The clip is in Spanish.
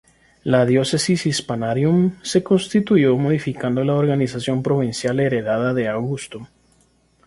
La "Diocesis Hispaniarum" se constituyó modificando la organización provincial heredada de Augusto.